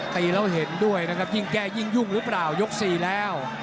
ตีแล้วเห็นด้วยนะครับยิ่งแก้ยิ่งยุ่งหรือเปล่ายก๔แล้ว